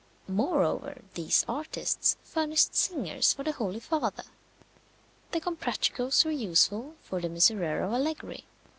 Moreover these artists furnished singers for the Holy Father. The Comprachicos were useful for the Miserere of Allegri.